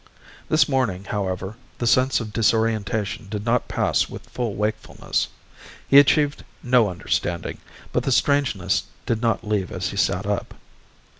This morning, however, the sense of disorientation did not pass with full wakefulness. He achieved no understanding, but the strangeness did not leave as he sat up.